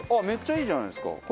めっちゃいいじゃないですか。